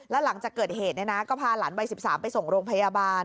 แล้วหลังจากเกิดเหตุก็พาหลานวัย๑๓ไปส่งโรงพยาบาล